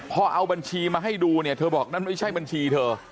พอเอาบัญชีมาให้ดูเนี่ยเธอบอกนั่นไม่ใช่บัญชีเธอ